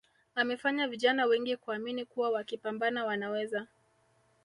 amefanya vijana wengi kuamini kuwa wakipambana Wanaweza